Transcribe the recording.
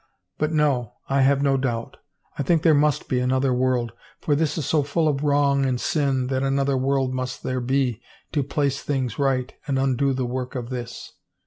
But no, I have no doubt. I think there must be another world for this is so full of wrong and sin that another world must there be to place things right and undo the work of this.